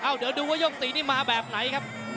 เดี๋ยวดูว่ายก๔นี่มาแบบไหนครับ